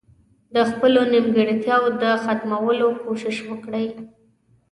د خپلو نيمګړتياوو د ختمولو کوشش وکړي.